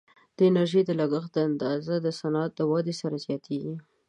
د انرژي د لګښت اندازه د صنعت د ودې سره زیاتیږي.